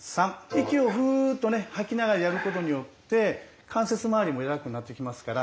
息をふっと吐きながらやることによって関節まわりも柔らかくなってきますから。